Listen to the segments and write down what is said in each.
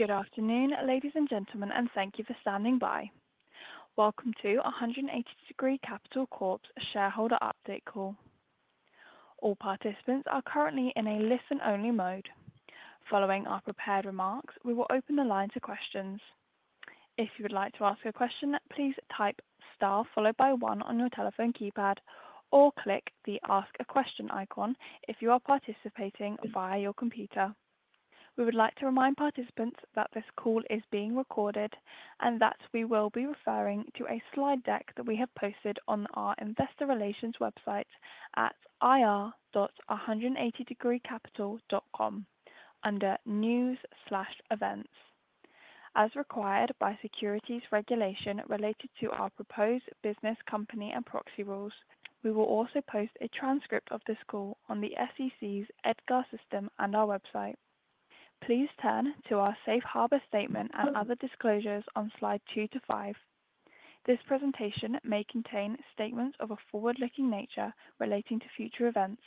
Good afternoon, ladies and gentlemen, and thank you for standing by. Welcome to 180 Degree Capital Corp.'s shareholder update call. All participants are currently in a listen-only mode. Following our prepared remarks, we will open the line to questions. If you would like to ask a question, please type STAR followed by one on your telephone keypad or click the Ask a Question icon if you are participating via your computer. We would like to remind participants that this call is being recorded and that we will be referring to a slide deck that we have posted on our investor relations website at ir.180degreecapital.com under news/events. As required by securities regulation related to our proposed business, company, and proxy rules, we will also post a transcript of this call on the SEC's EDGAR system and our website. Please turn to our Safe Harbour statement and other disclosures on slides 2 to 5. This presentation may contain statements of a forward-looking nature relating to future events.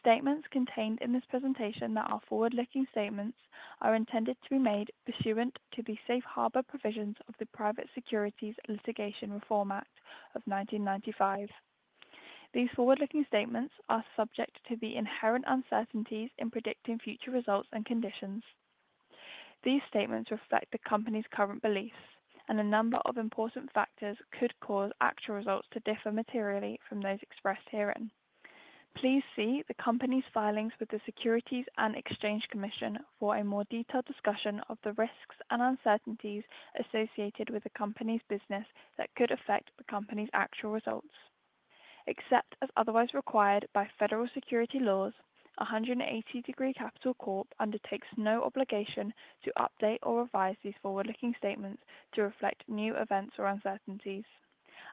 Statements contained in this presentation that are forward-looking statements are intended to be made pursuant to the Safe Harbour provisions of the Private Securities Litigation Reform Act of 1995. These forward-looking statements are subject to the inherent uncertainties in predicting future results and conditions. These statements reflect the company's current beliefs, and a number of important factors could cause actual results to differ materially from those expressed herein. Please see the company's filings with the Securities and Exchange Commission for a more detailed discussion of the risks and uncertainties associated with the company's business that could affect the company's actual results. Except as otherwise required by Federal security laws, 180 Degree Capital Corp undertakes no obligation to update or revise these forward-looking statements to reflect new events or uncertainties.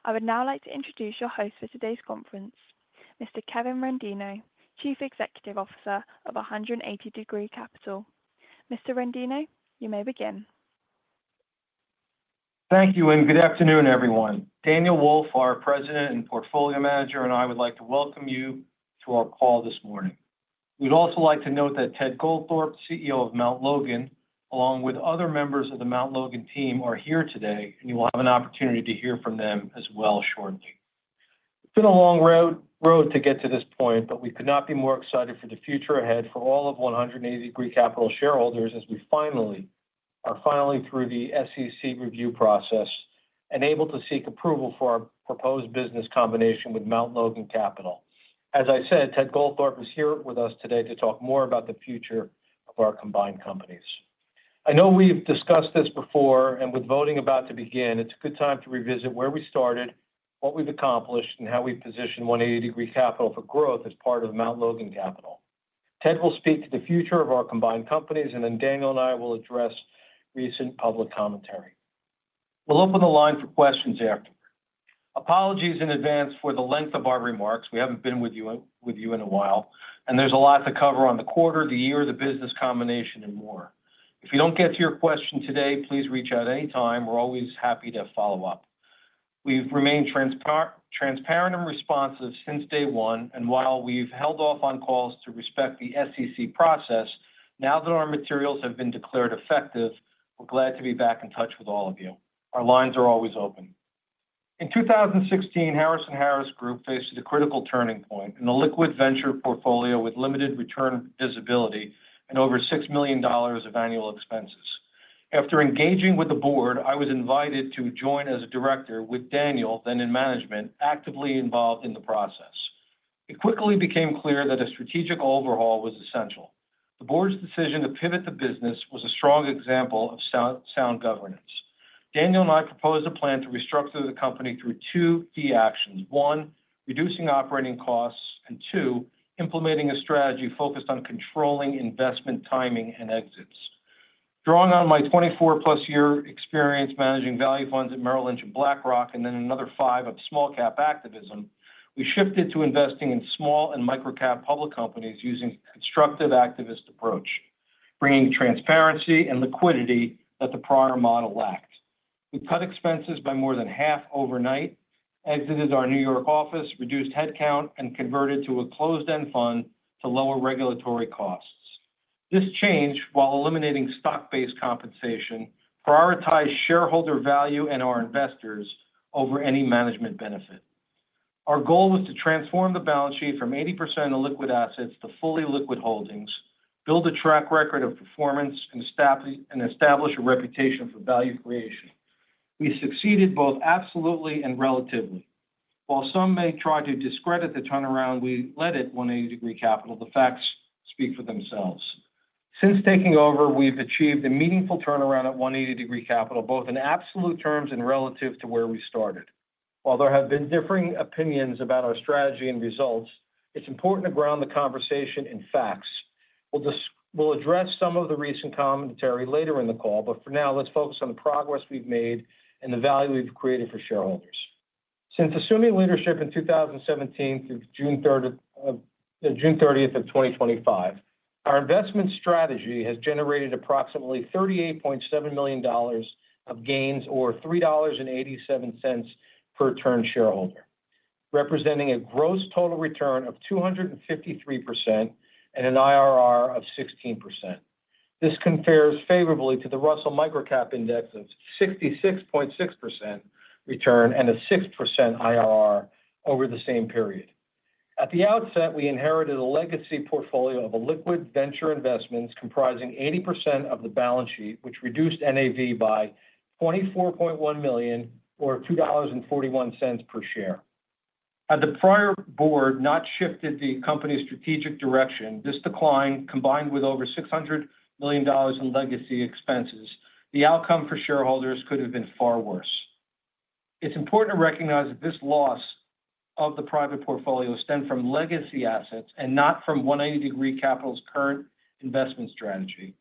I would now like to introduce your host for today's conference, Mr. Kevin Rendino, Chief Executive Officer of 180 Degree Capital Corp. Mr. Rendino, you may begin. Thank you, and good afternoon, everyone. Daniel Wolfe, our President and Portfolio Manager, and I would like to welcome you to our call this morning. We'd also like to note that Ted Goldthorpe, CEO of Mount Logan along with other members of the Mount Logan team, are here today, and you will have an opportunity to hear from them as well, shortly. It's been a long road to get to this point, but we could not be more excited for the future ahead for all of 180 Degree Capital Corp. shareholders as we finally are filing through the SEC review process and able to seek approval for our proposed business combination with Mount Logan Capital Inc. As I said, Ted Goldthorpe is here with us today to talk more about the future of our combined companies. I know we've discussed this before, and with voting about to begin, it's a good time to revisit where we started, what we've accomplished, and how we position 180 Degree Capital Corp. for growth as part of Mount Logan Capital Inc. Ted will speak to the future of our combined companies, and then Daniel and I will address recent public commentary. We'll open the line for questions afterwards. Apologies in advance for the length of our remarks. We haven't been with you in a while, and there's a lot to cover on the quarter, the year, the business combination, and more. If you don't get to your question today, please reach out anytime. We're always happy to follow up. We've remained transparent and responsive since day one, and while we've held off on calls to respect the SEC process, now that our materials have been declared effective, we're glad to be back in touch with all of you. Our lines are always open. In 2016, Harris & Harris Group faced a critical turning point in the illiquid venture investments portfolio with limited return visibility and over $6 million of annual expenses. After engaging with the board, I was invited to join as a director with Daniel, then in management, actively involved in the process. It quickly became clear that a strategic overhaul was essential. The board's decision to pivot the business was a strong example of sound governance. Daniel and I proposed a plan to restructure the company through two key actions: one, reducing operating costs, and two, implementing a strategy focused on controlling investment timing and exits. Drawing on my 24-plus year experience managing value funds at Merrill Lynch and BlackRock, and then another five of small-cap activism, we shifted to investing in small and micro-cap public companies using a constructive activist approach, bringing transparency and liquidity that the prior model lacked. We cut expenses by more than half overnight, exited our New York office, reduced headcount, and converted to a closed-end fund to lower regulatory costs. This change, while eliminating stock-based compensation, prioritized shareholder value and our investors over any management benefit. Our goal was to transform the balance sheet from 80% of liquid assets to fully liquid holdings, build a track record of performance, and establish a reputation for value creation. We succeeded both absolutely and relatively. While some may try to discredit the turnaround, we led it at 180 Degree Capital Corp. The facts speak for themselves. Since taking over, we've achieved a meaningful turnaround at 180 Degree Capital Corp., both in absolute terms and relative to where we started. While there have been differing opinions about our strategy and results, it's important to ground the conversation in facts. We'll address some of the recent commentary later in the call, but for now, let's focus on the progress we've made and the value we've created for shareholders. Since assuming leadership in 2017 through June 30, 2025, our investment strategy has generated approximately $38.7 million of gains or $3.87 per turn shareholder, representing a gross total return of 253% and an IRR of 16%. This compares favorably to the Russell Micro Cap Index's 66.6% return and a 6% IRR over the same period. At the outset, we inherited a legacy portfolio of illiquid venture investments comprising 80% of the balance sheet, which reduced NAV by $24.1 million or $2.41 per share. Had the prior board not shifted the company's strategic direction, this decline, combined with over $600 million in legacy expenses, the outcome for shareholders could have been far worse. It's important to recognize that this loss of the private portfolio stemmed from legacy assets and not from 180 Degree Capital Corp.'s current investment strategy.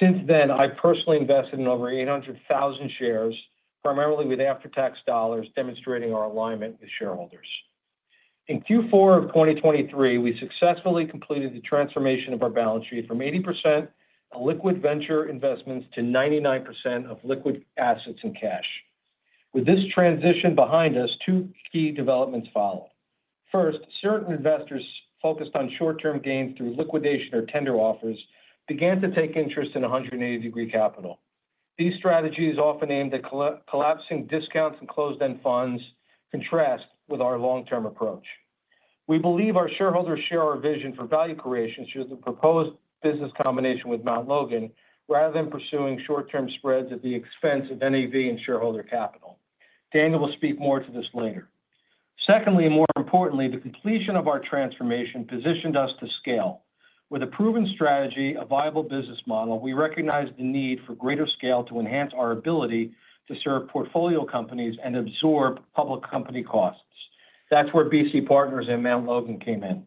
Since then, I've personally invested in over 800,000 shares, primarily with after-tax dollars, demonstrating our alignment with shareholders. In Q4 of 2023, we successfully completed the transformation of our balance sheet from 80% of illiquid venture investments to 99% of liquid assets and cash. With this transition behind us, two key developments followed. First, certain investors focused on short-term gains through liquidation or tender offers began to take interest in 180 Degree Capital Corp. These strategies, often aimed at collapsing discounts in closed-end funds, contrast with our long-term approach. We believe our shareholders share our vision for value creation through the proposed business combination with Mount Logan Capital Inc., rather than pursuing short-term spreads at the expense of NAV and shareholder capital. Daniel Wolfe will speak more to this later. Secondly, and more importantly, the completion of our transformation positioned us to scale. With a proven strategy and a viable business model, we recognized the need for greater scale to enhance our ability to serve portfolio companies and absorb public company costs. That's where BC Partners and Mount Logan Capital Inc. came in.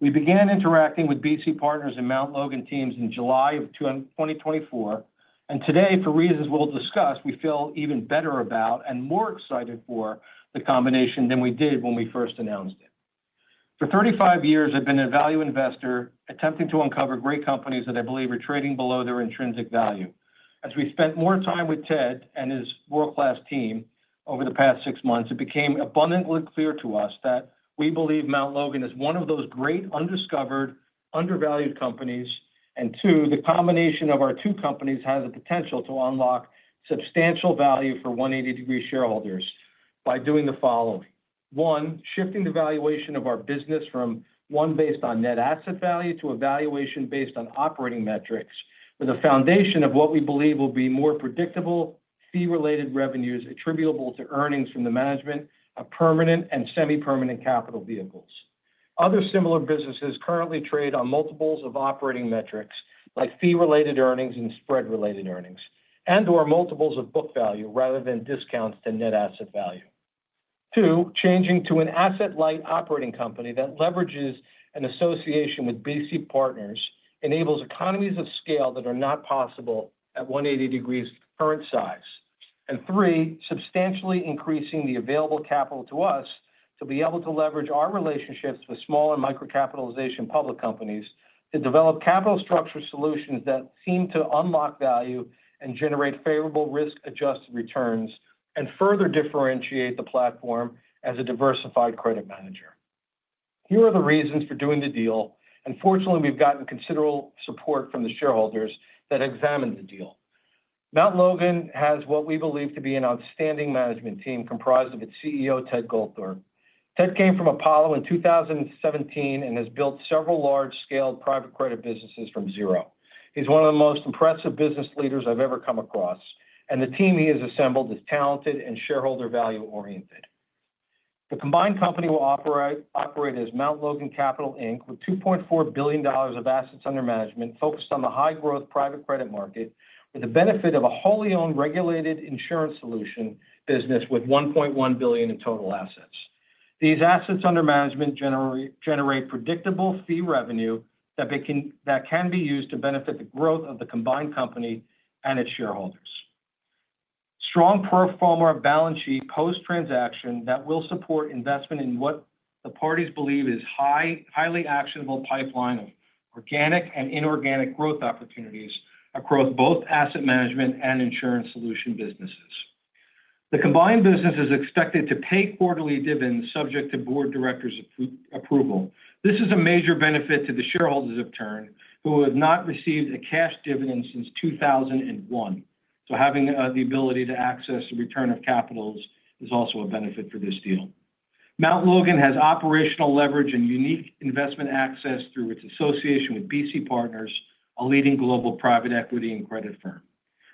We began interacting with BC Partners and Mount Logan Capital Inc. teams in July 2024, and today, for reasons we'll discuss, we feel even better about and more excited for the combination than we did when we first announced it. For 35 years, I've been a value investor attempting to uncover great companies that I believe are trading below their intrinsic value. As we've spent more time with Ted Goldthorpe and his world-class team over the past six months, it became abundantly clear to us that we believe Mount Logan Capital Inc. is one of those great undiscovered, undervalued companies, and two, the combination of our two companies has the potential to unlock substantial value for 180 Degree Capital Corp shareholders by doing the following: one, shifting the valuation of our business from one based on net asset value to a valuation based on operating metrics, with a foundation of what we believe will be more predictable, fee-related revenues attributable to earnings from the management of permanent and semi-permanent capital vehicles. Other similar businesses currently trade on multiples of operating metrics, like fee-related earnings and spread-related earnings, and/or multiples of book value rather than discounts to net asset value. Two, changing to an asset-light operating company that leverages an association with BC Partners enables economies of scale that are not possible at 180 Degree Capital Corp.'s current size. Three, substantially increasing the available capital to us to be able to leverage our relationships with smaller micro-cap public companies to develop capital structure solutions that seem to unlock value and generate favorable risk-adjusted returns and further differentiate the platform as a diversified credit manager. Here are the reasons for doing the deal, and fortunately, we've gotten considerable support from the shareholders that examined the deal. Mount Logan Capital Inc. has what we believe to be an outstanding management team comprised of its CEO, Ted Goldthorpe. Ted came from Apollo Global Management in 2017 and has built several large-scale private credit businesses from zero. He's one of the most impressive business leaders I've ever come across, and the team he has assembled is talented and shareholder value-oriented. The combined company will operate as Mount Logan Capital Inc., with $2.4 billion of assets under management focused on the high-growth private credit market, with the benefit of a wholly owned regulated insurance business with $1.1 billion in total assets. These assets under management generate predictable fee revenue that can be used to benefit the growth of the combined company and its shareholders. Strong portfolio balance sheet post-transaction that will support investment in what the parties believe is a highly actionable pipeline of organic and inorganic growth opportunities across both asset management and insurance businesses. The combined business is expected to pay quarterly dividends subject to board of directors' approval. This is a major benefit to the shareholders of 180 Degree Capital Corp., who have not received a cash dividend since 2001. Having the ability to access the return of capital is also a benefit for this deal. Mount Logan Capital has operational leverage and unique investment access through its association with BC Partners, a leading global private equity and credit firm.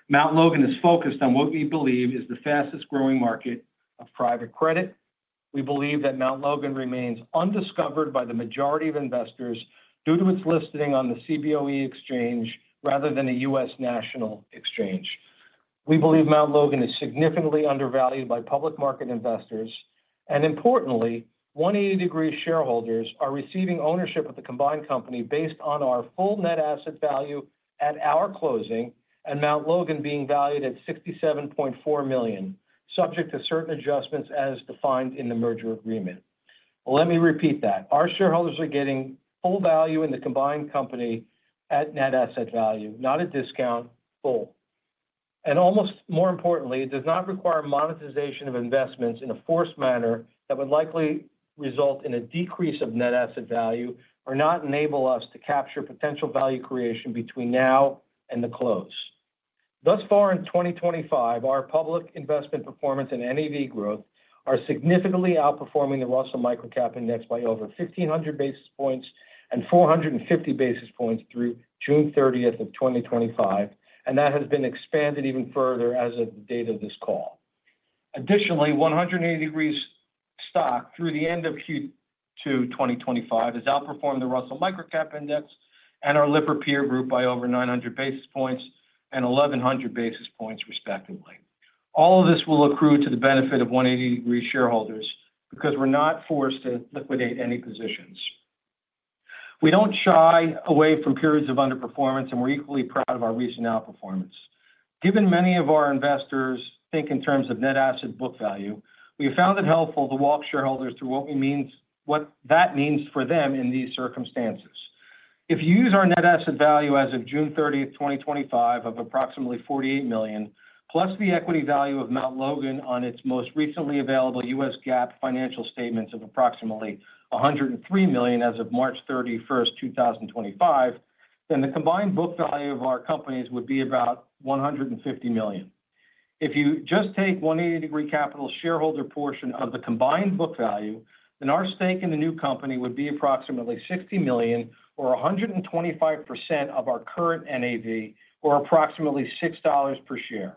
Mount Logan Capital Inc. is focused on what we believe is the fastest growing market of private credit. We believe that Mount Logan Capital Inc. remains undiscovered by the majority of investors due to its listing on the CBOE Exchange rather than a U.S. national exchange. We believe Mount Logan is significantly undervalued by public market investors, and importantly, 180 Degree shareholders are receiving ownership of the combined company based on our full net asset value at our closing and Mount Logan being valued at $67.4 million, subject to certain adjustments as defined in the merger agreement. Let me repeat that. Our shareholders are getting full value in the combined company at net asset value, not a discount, full. Almost more importantly, it does not require monetization of investments in a forced manner that would likely result in a decrease of net asset value or not enable us to capture potential value creation between now and the close. Thus far, in 2025, our public investment performance and NAV growth are significantly outperforming the Russell Micro Cap Index by over 1,500 basis points and 450 basis points through June 30, 2025, and that has been expanded even further as of the date of this call. Additionally, 180 Degree's stock through the end of Q2 2025 has outperformed the Russell Micro Cap Index and our LIPP repair group by over 900 basis points and 1,100 basis points, respectively. All of this will accrue to the benefit of 180 Degree shareholders because we're not forced to liquidate any positions. We don't shy away from periods of underperformance, and we're equally proud of our recent outperformance. Given many of our investors think in terms of net asset book value, we have found it helpful to walk shareholders through what that means for them in these circumstances. If you use our net asset value as of June 30, 2025, of approximately $48 million, plus the equity value of Mount Logan on its most recently available U.S. GAAP financial statements of approximately $103 million as of March 31, 2025, then the combined book value of our companies would be about $150 million. If you just take 180 Degree Capital's shareholder portion of the combined book value, then our stake in the new company would be approximately $60 million or 125% of our current NAV, or approximately $6 per share.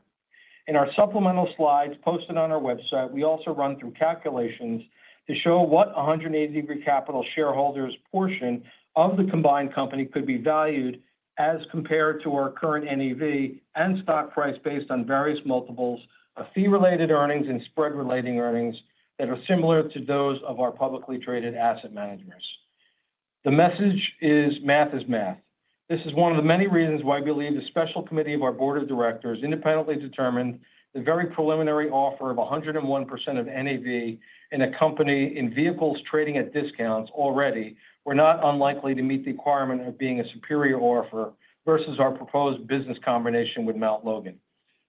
In our supplemental slides posted on our website, we also run through calculations to show what 180 Degree Capital shareholders' portion of the combined company could be valued as compared to our current NAV and stock price based on various multiples of fee-related earnings and spread-related earnings that are similar to those of our publicly traded asset managers. The message is math is math. This is one of the many reasons why we believe the special committee of our Board of Directors independently determined the very preliminary offer of 101% of NAV in a company in vehicles trading at discounts already were not unlikely to meet the requirement of being a superior offer versus our proposed business combination with Mount Logan.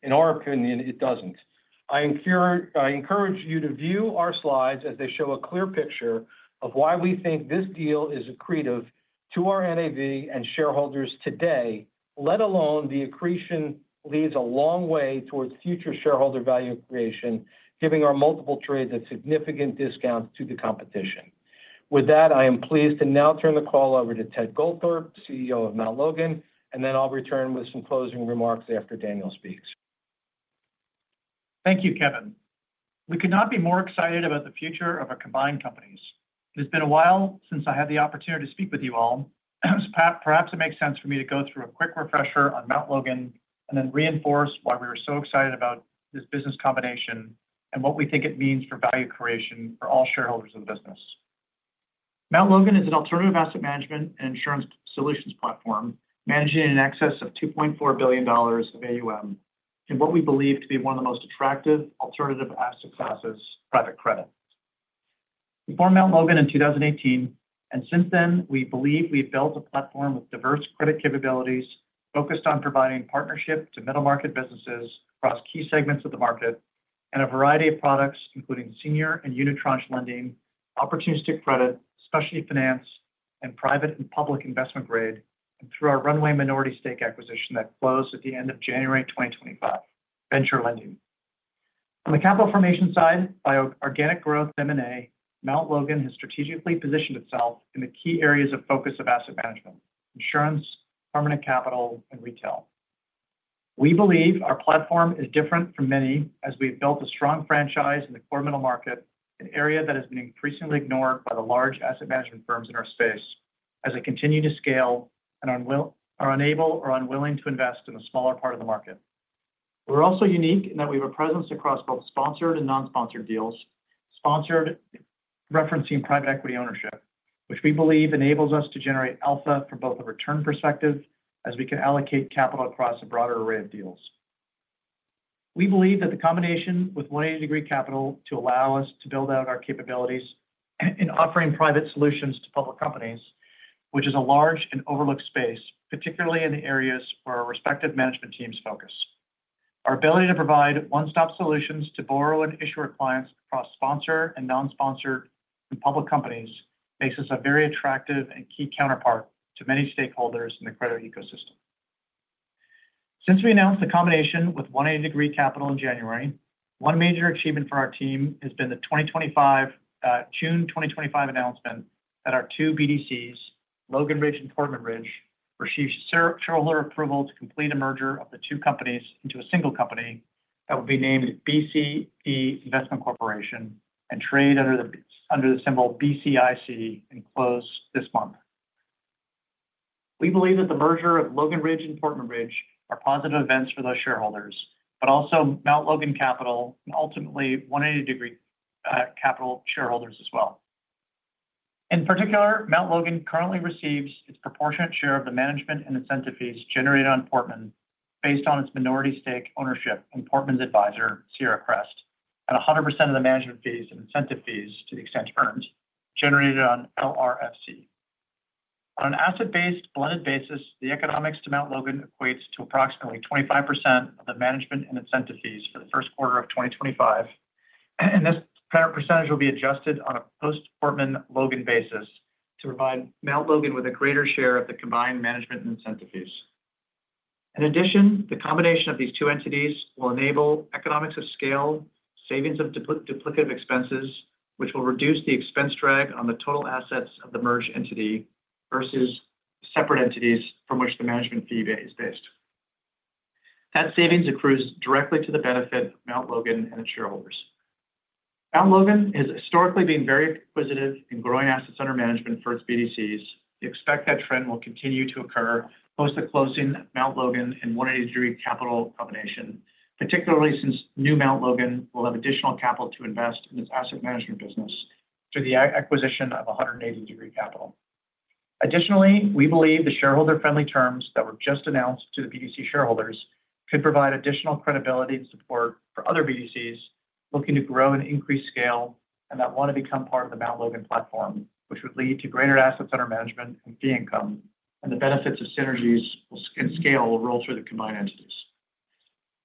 In our opinion, it doesn't. I encourage you to view our slides as they show a clear picture of why we think this deal is accretive to our NAV and shareholders today, let alone the accretion leads a long way towards future shareholder value creation, giving our multiple trades a significant discount to the competition. With that, I am pleased to now turn the call over to Ted Goldthorpe, CEO of Mount Logan, and then I'll return with some closing remarks after Daniel speaks. Thank you, Kevin. We could not be more excited about the future of our combined companies. It's been a while since I had the opportunity to speak with you all. Perhaps it makes sense for me to go through a quick refresher on Mount Logan and then reinforce why we were so excited about this business combination and what we think it means for value creation for all shareholders of the business. Mount Logan is an alternative asset management and insurance solutions platform managing in excess of $2.4 billion of AUM in what we believe to be one of the most attractive alternative asset classes for private credit. We formed Mount Logan in 2018, and since then, we believe we've built a platform with diverse credit capabilities focused on providing partnership to middle-market businesses across key segments of the market and a variety of products, including senior and unitranche lending, opportunistic credit, specialty finance, and private and public investment grade, and through our Runway minority stake acquisition that closed at the end of January 2025, venture lending. On the capital formation side, by organic growth and M&A, Mount Logan has strategically positioned itself in the key areas of focus of asset management: insurance, permanent capital, and retail. We believe our platform is different from many as we've built a strong franchise in the core middle market, an area that has been increasingly ignored by the large asset management firms in our space as they continue to scale and are unable or unwilling to invest in a smaller part of the market. We're also unique in that we have a presence across both sponsored and non-sponsored deals, sponsored referencing private equity ownership, which we believe enables us to generate alpha from both a return perspective as we can allocate capital across a broader array of deals. We believe that the combination with 180 Degree Capital Corp. will allow us to build out our capabilities in offering private solutions to public companies, which is a large and overlooked space, particularly in the areas where our respective management teams focus. Our ability to provide one-stop solutions to borrow and issue our clients across sponsored and non-sponsored public companies makes us a very attractive and key counterpart to many stakeholders in the credit ecosystem. Since we announced the combination with 180 Degree Capital Corp. in January, one major achievement for our team has been the June 2025 announcement that our two BDCs, Logan Ridge and Portman Ridge, received shareholder approval to complete a merger of the two companies into a single company that will be named BCE Investment Corporation and trade under the symbol BCIC and close this month. We believe that the merger of Logan Ridge and Portman Ridge are positive events for those shareholders, but also Mount Logan Capital Inc. and ultimately 180 Degree Capital shareholders as well. In particular, Mount Logan currently receives its proportionate share of the management and incentive fees generated on Portman based on its minority stake ownership and Portman's advisor, Sierra Crest, and 100% of the management fees and incentive fees to the extent earned generated on LRFC. On an asset-based blended basis, the economics to Mount Logan equates to approximately 25% of the management and incentive fees for the first quarter of 2025, and this percentage will be adjusted on a post-Portman Logan basis to provide Mount Logan with a greater share of the combined management and incentive fees. In addition, the combination of these two entities will enable economies of scale, savings of duplicative expenses, which will reduce the expense drag on the total assets of the merged entity versus separate entities from which the management fee is based. That savings accrues directly to the benefit of Mount Logan and its shareholders. Mount Logan has historically been very acquisitive in growing assets under management for its BDCs. We expect that trend will continue to occur post the closing of Mount Logan and 180 Degree Capital Corp. combination, particularly since new Mount Logan will have additional capital to invest in its asset management business through the acquisition of 180 Degree Capital Corp. Additionally, we believe the shareholder-friendly terms that were just announced to the BDC shareholders could provide additional credibility and support for other BDCs looking to grow and increase scale and that want to become part of the Mount Logan platform, which would lead to greater assets under management and fee income, and the benefits of synergies and scale will roll through the combined entities.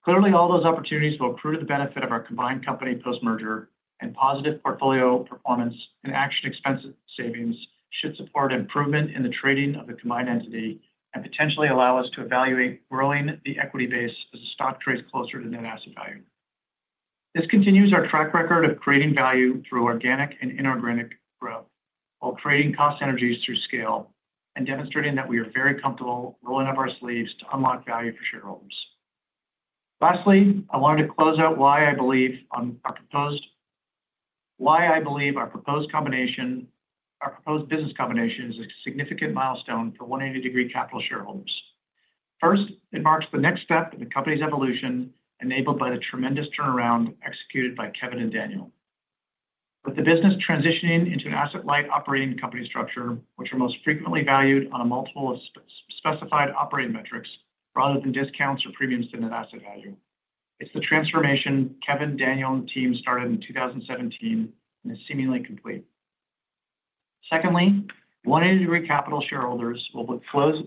Clearly, all those opportunities will accrue to the benefit of our combined company post-merger, and positive portfolio performance and action expense savings should support improvement in the trading of the combined entity and potentially allow us to evaluate growing the equity base as the stock trades closer to net asset value. This continues our track record of creating value through organic and inorganic growth while creating cost synergies through scale and demonstrating that we are very comfortable rolling up our sleeves to unlock value for shareholders. Lastly, I wanted to close out why I believe our proposed combination is a significant milestone for 180 Degree Capital Corp. shareholders. First, it marks the next step in the company's evolution enabled by the tremendous turnaround executed by Kevin Rendino and Daniel Wolfe. With the business transitioning into an asset-light operating company structure, which are most frequently valued on a multiple of specified operating metrics rather than discounts or premiums to net asset value, it's the transformation Kevin, Daniel, and the team started in 2017 and is seemingly complete. Secondly, 180 Degree Capital shareholders will be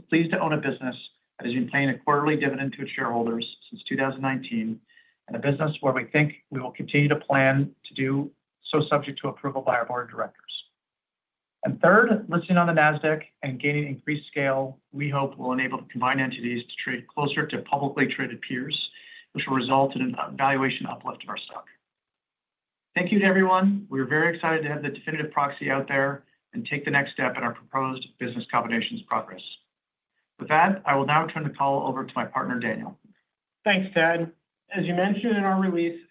pleased to own a business that has been paying a quarterly dividend to its shareholders since 2019 and a business where we think we will continue to plan to do so subject to approval by our Board of Directors. Third, listing on the NASDAQ and gaining increased scale, we hope will enable the combined entities to trade closer to publicly traded peers, which will result in a valuation uplift of our stock. Thank you to everyone. We are very excited to have the definitive proxy out there and take the next step in our proposed business combination's progress. With that, I will now turn the call over to my partner, Daniel. Thanks, Ted. As you mentioned in our release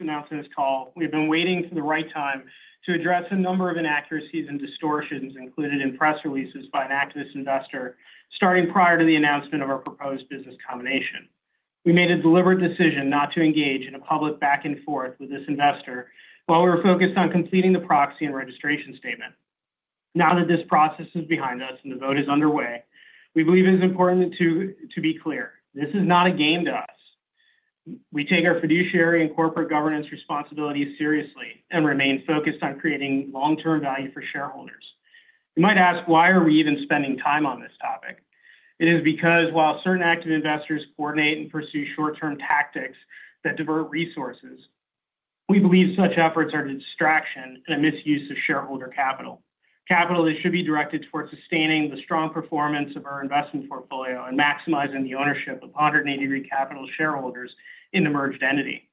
announcement's call, we've been waiting for the right time to address a number of inaccuracies and distortions included in press releases by an activist investor starting prior to the announcement of our proposed business combination. We made a deliberate decision not to engage in a public back-and-forth with this investor while we were focused on completing the proxy and registration statement. Now that this process is behind us and the vote is underway, we believe it is important to be clear. This is not a game to us. We take our fiduciary and corporate governance responsibilities seriously and remain focused on creating long-term value for shareholders. You might ask why are we even spending time on this topic? It is because while certain active investors coordinate and pursue short-term tactics that divert resources, we believe such efforts are a distraction and a misuse of shareholder capital. Capital that should be directed towards sustaining the strong performance of our investment portfolio and maximizing the ownership of 180 Degree Capital Corp. shareholders in the merged entity.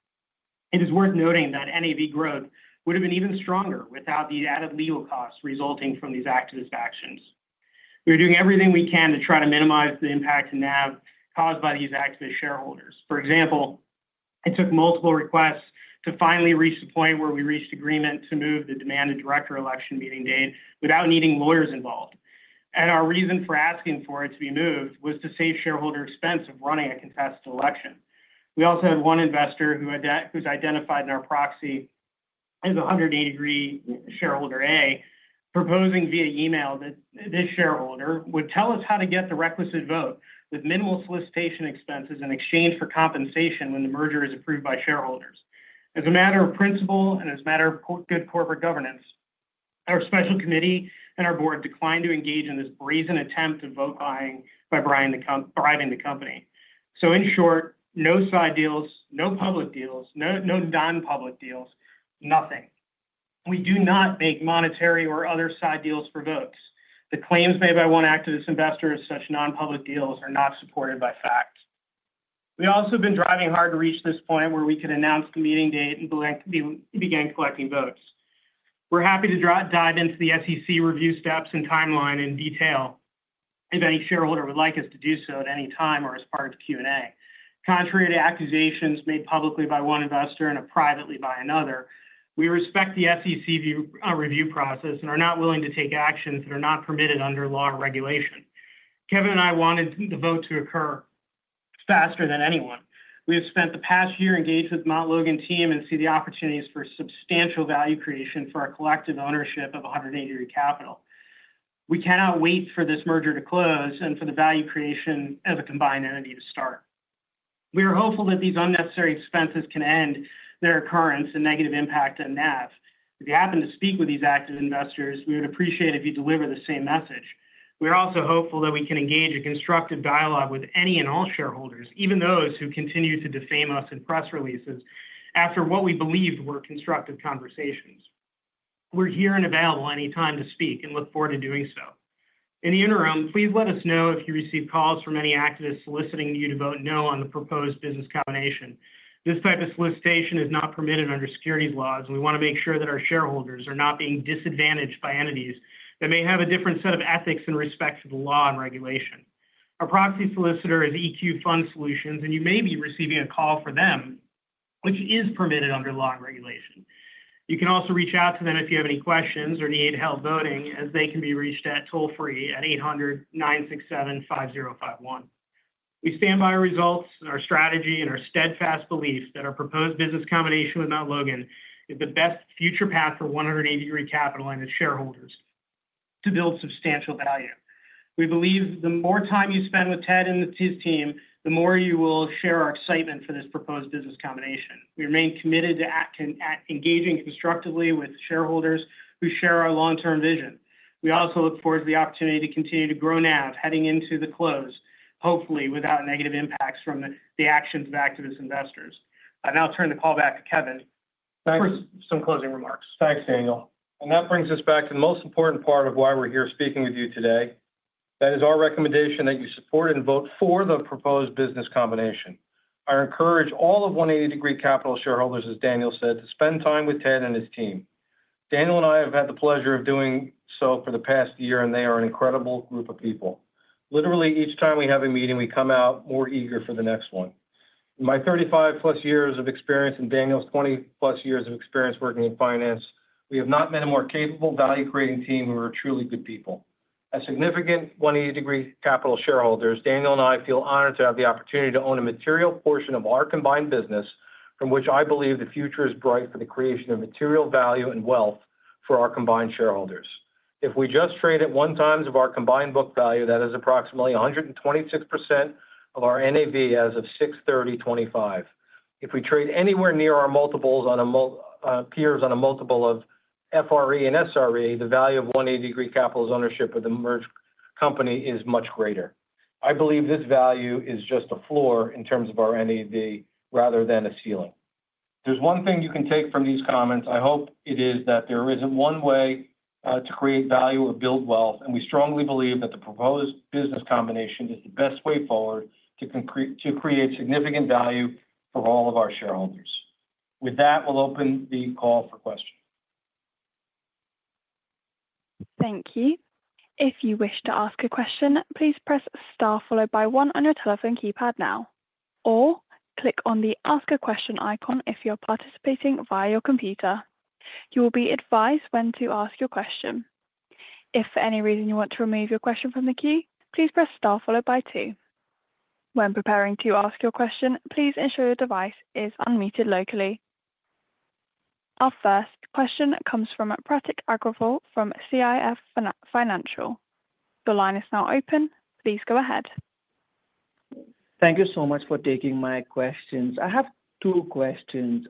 It is worth noting that NAV growth would have been even stronger without the added legal costs resulting from these activist actions. We are doing everything we can to try to minimize the impact and NAV caused by these activist shareholders. For example, it took multiple requests to finally reach the point where we reached agreement to move the demanded director election meeting date without needing lawyers involved. Our reason for asking for it to be moved was to save shareholder expense of running a contested election. We also have one investor who's identified in our proxy, who's 180 Degree Capital Corp. shareholder A, proposing via email that this shareholder would tell us how to get the requisite vote with minimal solicitation expenses in exchange for compensation when the merger is approved by shareholders. As a matter of principle and as a matter of good corporate governance, our Special Committee and our Board declined to engage in this brazen attempt of vote-buying by bribing the company. In short, no side deals, no public deals, no non-public deals, nothing. We do not make monetary or other side deals for votes. The claims made by one activist investor of such non-public deals are not supported by fact. We also have been driving hard to reach this point where we could announce the meeting date and begin collecting votes. We're happy to dive into the SEC review steps and timeline in detail if any shareholder would like us to do so at any time or as part of Q&A. Contrary to accusations made publicly by one investor and privately by another, we respect the SEC review process and are not willing to take actions that are not permitted under law or regulation. Kevin and I wanted the vote to occur faster than anyone. We have spent the past year engaged with the Mount Logan team and see the opportunities for substantial value creation for our collective ownership of 180 Degree Capital Corp. We cannot wait for this merger to close and for the value creation of a combined entity to start. We are hopeful that these unnecessary expenses can end their occurrence and negative impact on NAV. If you happen to speak with these active investors, we would appreciate it if you deliver the same message. We are also hopeful that we can engage in constructive dialogue with any and all shareholders, even those who continue to defame us in press releases after what we believed were constructive conversations. We're here and available anytime to speak and look forward to doing so. In the interim, please let us know if you receive calls from any activists soliciting you to vote no on the proposed business combination. This type of solicitation is not permitted under securities laws, and we want to make sure that our shareholders are not being disadvantaged by entities that may have a different set of ethics in respect to the law and regulation. Our proxy solicitor is EQ Fund Solutions, and you may be receiving a call from them, which is permitted under law and regulation. You can also reach out to them if you have any questions or need help voting, as they can be reached toll-free at 800-967-5051. We stand by our results, our strategy, and our steadfast belief that our proposed business combination with Mount Logan is the best future path for 180 Degree Capital Corp. and its shareholders to build substantial value. We believe the more time you spend with Ted and his team, the more you will share our excitement for this proposed business combination. We remain committed to engaging constructively with shareholders who share our long-term vision. We also look forward to the opportunity to continue to grow NAV heading into the close, hopefully without negative impacts from the actions of activist investors. I'll turn the call back to Kevin for some closing remarks. Thanks, Daniel. That brings us back to the most important part of why we're here speaking with you today. That is our recommendation that you support and vote for the proposed business combination. I encourage all of 180 Degree Capital shareholders, as Daniel said, to spend time with Ted and his team. Daniel and I have had the pleasure of doing so for the past year, and they are an incredible group of people. Literally, each time we have a meeting, we come out more eager for the next one. In my 35-plus years of experience and Daniel's 20-plus years of experience working in finance, we have not met a more capable value-creating team who are truly good people. As significant 180 Degree Capital Corp. shareholders, Daniel and I feel honored to have the opportunity to own a material portion of our combined business, from which I believe the future is bright for the creation of material value and wealth for our combined shareholders. If we just trade at one times our combined book value, that is approximately 126% of our NAV as of 6/30/2025. If we trade anywhere near our multiples on peers on a multiple of FRE and SRE, the value of 180 Degree Capital's ownership of the merged company is much greater. I believe this value is just a floor in terms of our NAV rather than a ceiling. If there's one thing you can take from these comments, I hope it is that there isn't one way to create value or build wealth, and we strongly believe that the proposed business combination is the best way forward to create significant value for all of our shareholders. With that, we'll open the call for questions. Thank you. If you wish to ask a question, please press star followed by one on your telephone keypad now, or click on the Ask a Question icon if you're participating via your computer. You will be advised when to ask your question. If for any reason you want to remove your question from the queue, please press star followed by two. When preparing to ask your question, please ensure your device is unmuted locally. Our first question comes from Pratick Agrival from CIF Financial. The line is now open. Please go ahead. Thank you so much for taking my questions. I have two questions.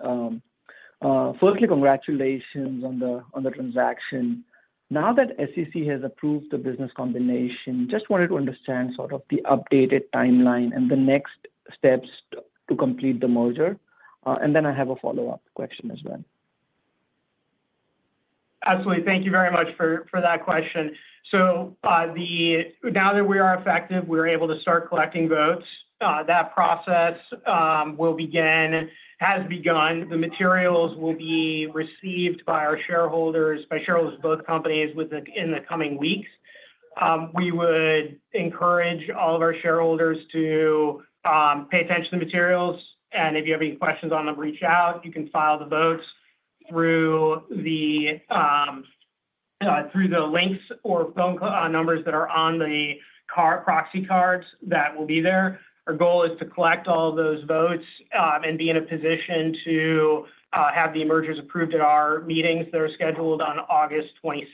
Firstly, congratulations on the transaction. Now that the SEC has approved the business combination, I just wanted to understand the updated timeline and the next steps to complete the merger. I have a follow-up question as well. Absolutely. Thank you very much for that question. Now that we are effective, we are able to start collecting votes. That process has begun. The materials will be received by our shareholders, by shareholders of both companies in the coming weeks. We would encourage all of our shareholders to pay attention to the materials, and if you have any questions on them, reach out. You can file the votes through the links or phone numbers that are on the proxy cards that will be there. Our goal is to collect all of those votes and be in a position to have the mergers approved at our meetings that are scheduled on August 22.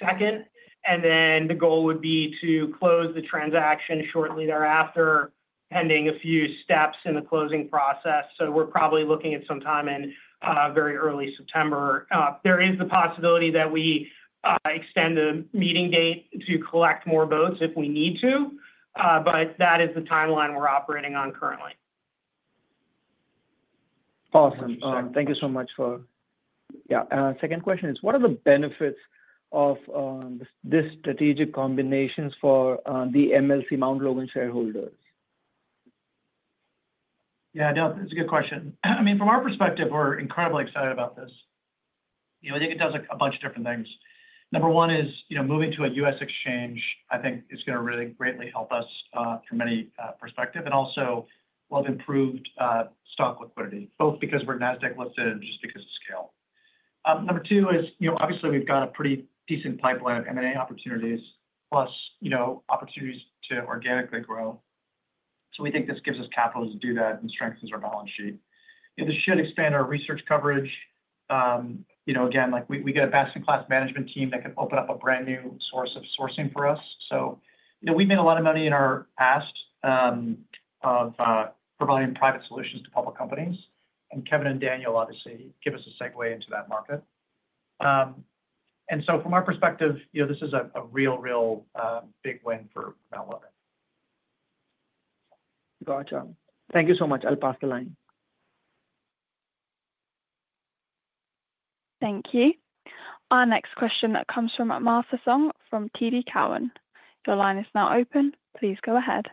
The goal would be to close the transaction shortly thereafter, pending a few steps in the closing process. We're probably looking at sometime in very early September. There is the possibility that we extend the meeting date to collect more votes if we need to, but that is the timeline we're operating on currently. Awesome. Thank you so much for... Yeah. Our second question is, what are the benefits of these strategic combinations for the Mount Logan Capital Inc. shareholders? Yeah, I know. That's a good question. I mean, from our perspective, we're incredibly excited about this. I think it does a bunch of different things. Number one is, moving to a U.S. exchange, I think, is going to really greatly help us from many perspectives and also will have improved stock liquidity, both because we're NASDAQ listed and just because of scale. Number two is, obviously, we've got a pretty decent pipeline of M&A opportunities, plus opportunities to organically grow. We think this gives us capital to do that and strengthens our balance sheet. This should expand our research coverage. Again, we get a best-in-class management team that can open up a brand new source of sourcing for us. We've made a lot of money in our past of providing private solutions to public companies, and Kevin Rendino and Daniel Wolfe obviously give us a segue into that market from our perspective, this is a real, real big win for 180 Degree Capital Corp. Gotcha. Thank you so much. I'll pass the line. Thank you. Our next question comes from Masa Song from TD Cowen. Your line is now open. Please go ahead.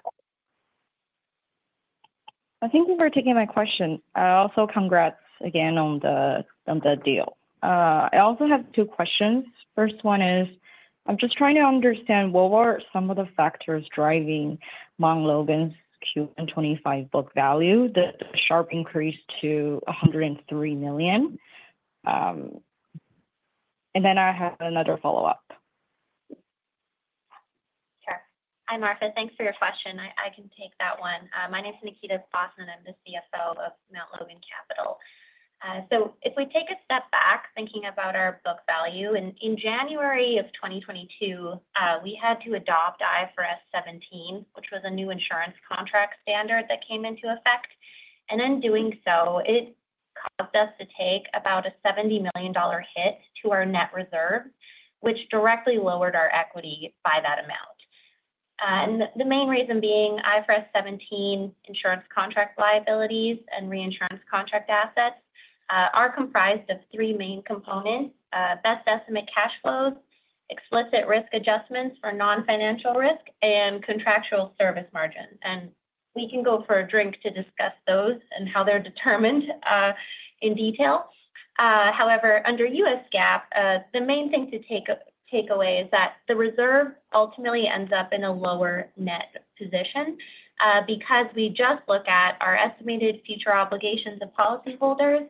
Thank you for taking my question. Also, congrats again on the deal. I have two questions. First, I'm just trying to understand what were some of the factors driving Mount Logan Capital Inc.'s Q1 2025 book value, the sharp increase to $103 million. I have another follow-up. Hi, Masa. Thanks for your question. I can take that one. My name's Nikita Bosnan. I'm the CFO of Mount Logan Capital Inc. If we take a step back thinking about our book value, in January of 2022, we had to adopt IFRS 17, which was a new insurance contract standard that came into effect. In doing so, it caused us to take about a $70 million hit to our net reserve, which directly lowered our equity by that amount. The main reason being IFRS 17 insurance contract liabilities and reinsurance contract assets are comprised of three main components: best estimate cash flows, explicit risk adjustments for non-financial risk, and contractual service margins. We can go for a drink to discuss those and how they're determined in detail. However, under U.S. GAAP, the main thing to take away is that the reserve ultimately ends up in a lower net position because we just look at our estimated future obligations of policyholders,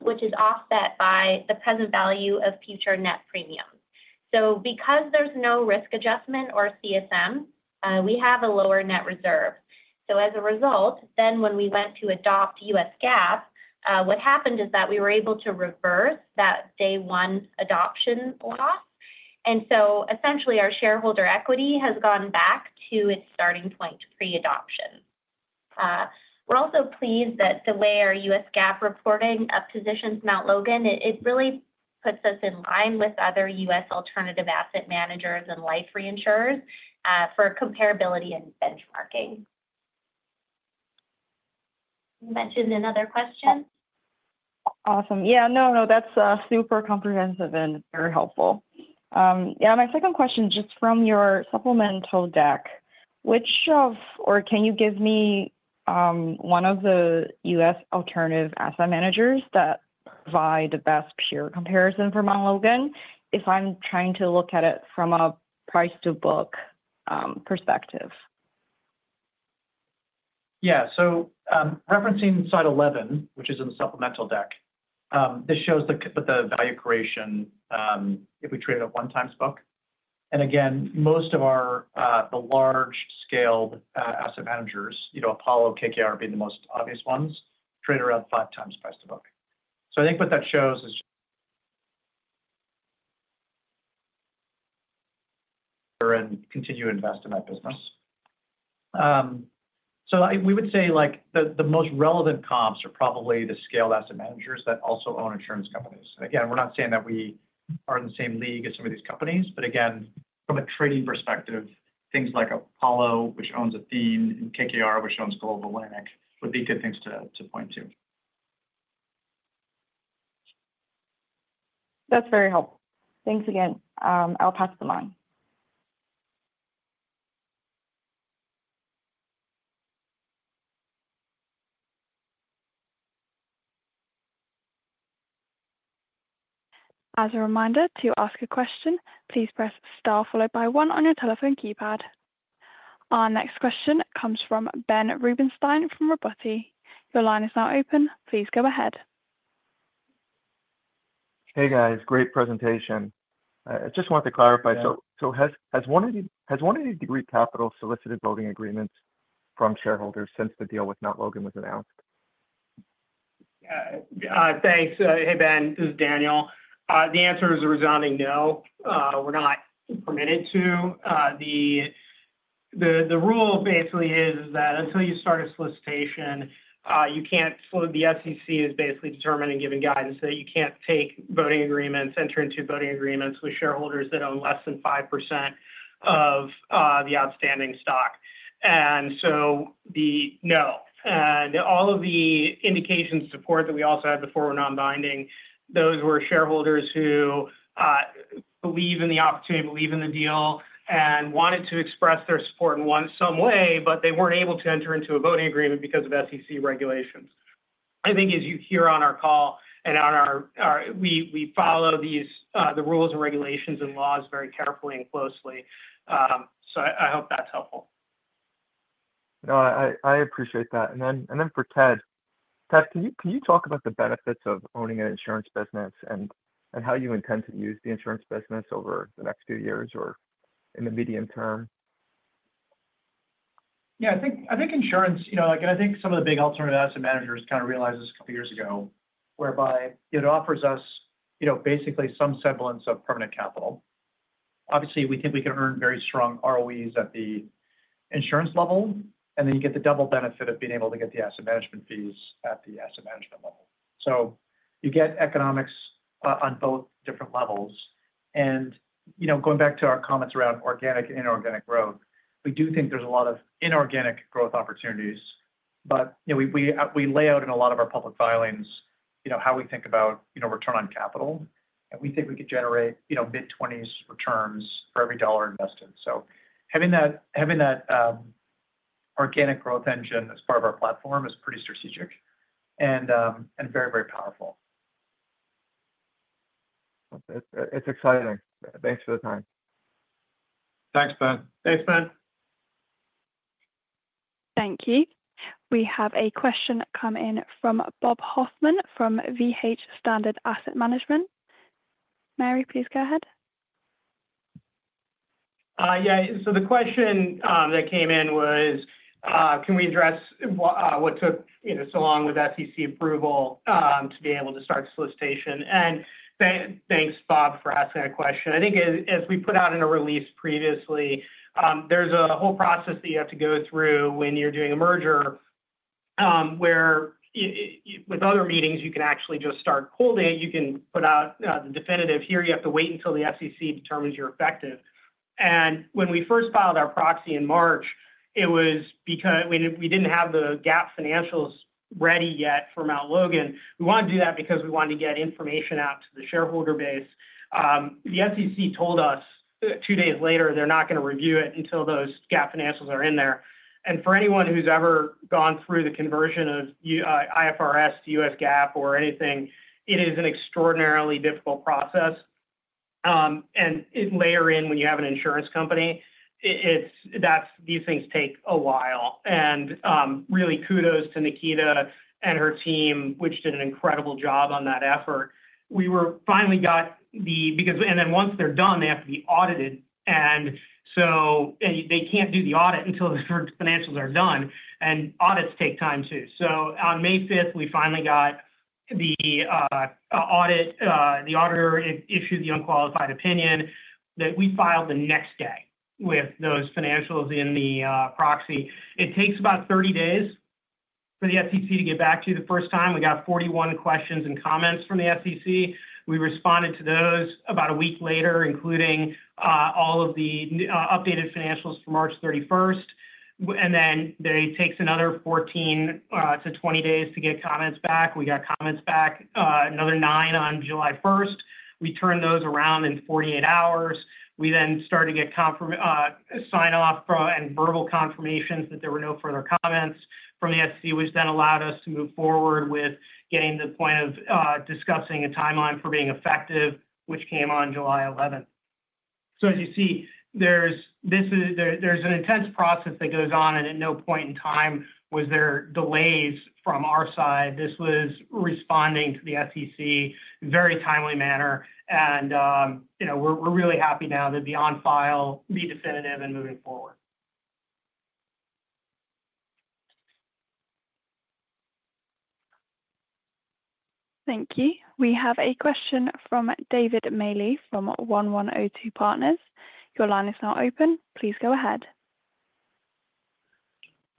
which is offset by the present value of future net premiums. Because there's no risk adjustment or CFM, we have a lower net reserve. As a result, when we went to adopt U.S. GAAP, what happened is that we were able to reverse that day-one adoption loss. Essentially, our shareholder equity has gone back to its starting point pre-adoption. We're also pleased that the way our U.S. GAAP reporting positions Mount Logan, it really puts us in line with other U.S. alternative asset managers and life reinsurers for comparability and benchmarking. You mentioned another question. Awesome. That's super comprehensive and very helpful. My second question, just from your supplemental deck, which of, or can you give me one of the U.S. alternative asset managers that provide the best peer comparison for Mount Logan if I'm trying to look at it from a price-to-book perspective? Yeah, referencing slide 11, which is in the supplemental deck, this shows the value creation if we trade at one times book. Most of our large-scaled asset managers, you know, Apollo, KKR being the most obvious ones, trade around five times price to book. I think what that shows is continue to invest in that business. We would say the most relevant comps are probably the scaled asset managers that also own insurance companies. We're not saying that we are in the same league as some of these companies, but from a trading perspective, things like Apollo, which owns Athene, and KKR, which owns Global Atlantic, would be good things to point to. That's very helpful. Thanks again. I'll pass the line. As a reminder, to ask a question, please press star followed by one on your telephone keypad. Our next question comes from Ben Rubenstein from Robotti. Your line is now open. Please go ahead. Hey, guys. Great presentation. I just wanted to clarify, has 180 Degree Capital Corp. solicited voting agreements from shareholders since the deal with Mount Logan Capital Inc. was announced? Thanks. Hey, Ben. This is Daniel. The answer is a resounding no. We're not permitted to. The rule basically is that until you start a solicitation, you can't float. The SEC has basically determined and given guidance that you can't take voting agreements, enter into voting agreements with shareholders that own less than 5% of the outstanding stock. No. All of the indications support that we also had before were non-binding. Those were shareholders who believe in the opportunity, believe in the deal, and wanted to express their support in some way, but they weren't able to enter into a voting agreement because of SEC regulations. I think as you hear on our call, we follow the rules and regulations and laws very carefully and closely. I hope that's helpful. No, I appreciate that. For Ted, can you talk about the benefits of owning an insurance business and how you intend to use the insurance business over the next few years or in the medium term? Yeah. I think insurance, you know, like I think some of the big alternative asset managers kind of realized this a couple of years ago, whereby it offers us basically some semblance of permanent capital. Obviously, we think we can earn very strong ROEs at the insurance level, and then you get the double benefit of being able to get the asset management fees at the asset management level. You get economics on both different levels. Going back to our comments around organic and inorganic growth, we do think there's a lot of inorganic growth opportunities. We lay out in a lot of our public filings how we think about return on capital. We think we could generate mid-20% returns for every dollar invested. Having that organic growth engine as part of our platform is pretty strategic and very, very powerful. It's exciting. Thanks for the time. Thanks, Ben. Thanks, Ben. Thank you. We have a question come in from Bob Hoffman from VH Standard Asset Management. May, you please go ahead. Yeah. The question that came in was, can we address what took so long with SEC approval to be able to start the solicitation? Thanks, Bob, for asking that question. I think as we put out in a release previously, there's a whole process that you have to go through when you're doing a merger where, with other meetings, you can actually just start calling. You can put out the definitive. Here, you have to wait until the SEC determines you're effective. When we first filed our proxy in March, it was because we didn't have the GAAP financials ready yet for Mount Logan Capital Inc. We wanted to do that because we wanted to get information out to the shareholder base. The SEC told us two days later they're not going to review it until those GAAP financials are in there. For anyone who's ever gone through the conversion of IFRS to U.S. GAAP or anything, it is an extraordinarily difficult process. Layer in when you have a regulated insurance business, these things take a while. Kudos to Nikita Bosnan and her team, which did an incredible job on that effort. We finally got the, because, and then once they're done, they have to be audited. They can't do the audit until the financials are done. Audits take time too. On May 5th, we finally got the audit. The auditor issued the unqualified opinion that we filed the next day with those financials in the proxy. It takes about 30 days for the SEC to get back to you the first time. We got 41 questions and comments from the SEC. We responded to those about a week later, including all of the updated financials for March 31st. It takes another 14-20 days to get comments back. We got comments back, another nine, on July 1st. We turned those around in 48 hours. We then started to get sign-off and verbal confirmations that there were no further comments from the SEC, which then allowed us to move forward with getting to the point of discussing a timeline for being effective, which came on July 11th. As you see, there's an intense process that goes on, and at no point in time was there delays from our side. This was responding to the SEC in a very timely manner. We're really happy now that the on-file be definitive and moving forward. Thank you. We have a question from David Maley from 1102 Partners. Your line is now open. Please go ahead.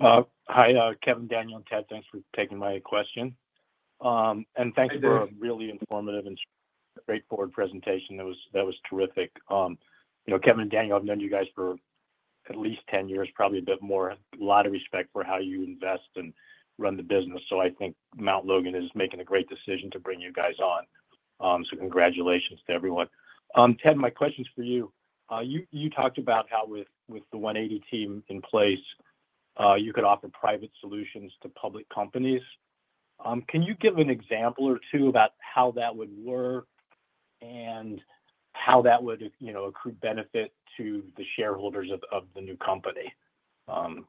Hi, Kevin, Daniel, and Ted. Thanks for taking my question. Thanks for a really informative and straightforward presentation. That was terrific. Kevin and Daniel, I've known you guys for at least 10 years, probably a bit more. A lot of respect for how you invest and run the business. I think Mount Logan is making a great decision to bring you guys on. Congratulations to everyone. Ted, my question's for you. You talked about how with the 180 team in place, you could offer private solutions to public companies. Can you give an example or two about how that would work and how that would, you know, accrue benefit to the shareholders of the new company?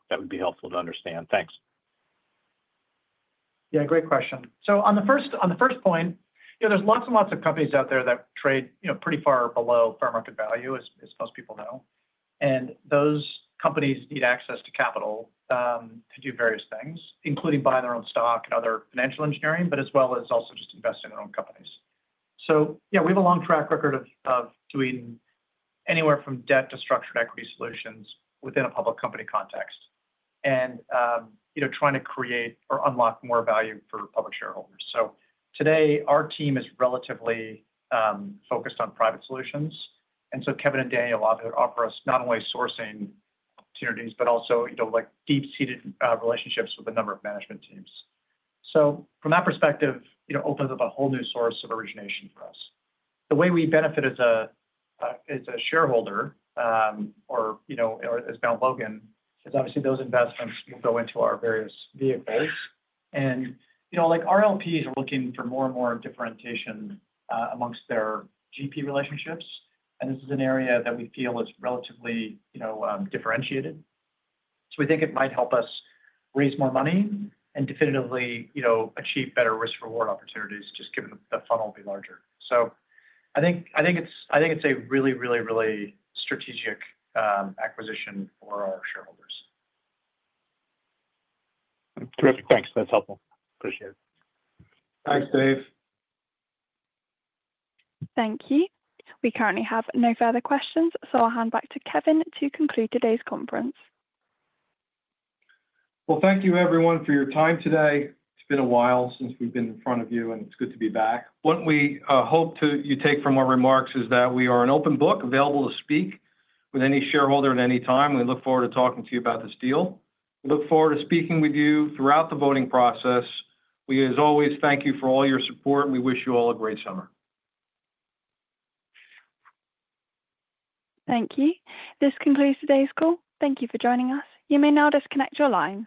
That would be helpful to understand. Thanks. Great question. On the first point, there are lots and lots of companies out there that trade pretty far below fair market value, as most people know. Those companies need access to capital to do various things, including buying their own stock and other financial engineering, as well as just investing in their own companies. We have a long track record of doing anywhere from debt to structured equity solutions within a public company context and trying to create or unlock more value for public shareholders. Today, our team is relatively focused on private solutions. Kevin and Daniel offer us not only sourcing synergies, but also deep-seated relationships with a number of management teams. From that perspective, it opened up a whole new source of origination for us. The way we benefit as a shareholder or as Mount Logan is obviously those investments will go into our various vehicles. RLPs are looking for more and more differentiation amongst their GP relationships, and this is an area that we feel is relatively differentiated. We think it might help us raise more money and definitively achieve better risk-reward opportunities, just given that the funnel will be larger. I think it's a really, really, really strategic acquisition for our shareholders. Terrific. Thanks. That's helpful. Appreciate it. Thanks, Dave. Thank you. We currently have no further questions, so I'll hand back to Kevin to conclude today's conference. Thank you, everyone, for your time today. It's been a while since we've been in front of you, and it's good to be back. What we hope you take from our remarks is that we are an open book, available to speak with any shareholder at any time. We look forward to talking to you about this deal and speaking with you throughout the voting process. We, as always, thank you for all your support, and we wish you all a great summer. Thank you. This concludes today's call. Thank you for joining us. You may now disconnect your lines.